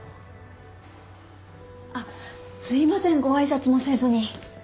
あっすいませんご挨拶もせずに。